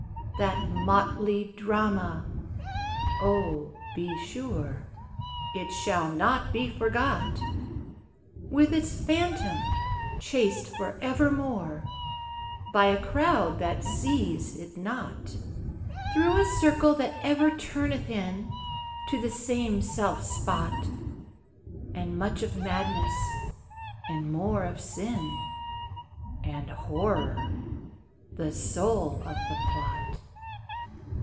That motley drama oh, be sure It shall not be forgot! With its Phantom chased for evermore, By a crowd that seize it not, Through a circle that ever returneth in To the self same spot, And much of Madness, and more of Sin, And Horror the soul of the plot.